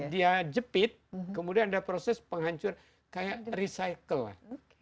dia jepit kemudian ada proses penghancur kayak recycle lah